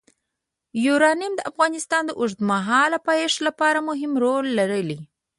یورانیم د افغانستان د اوږدمهاله پایښت لپاره مهم رول لري.